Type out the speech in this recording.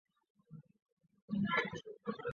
香港电视播放频道列表